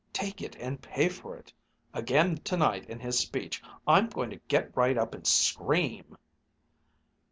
Take it and pay for it,' again tonight in his speech, I'm going to get right up and scream."